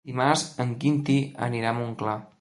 Dimarts en Quintí anirà a Montclar.